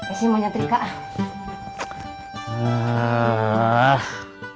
eh si mau nyetri kak